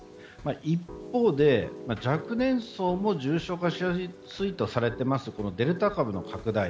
一方、若年層も重症化しやすいとされているこのデルタ株の拡大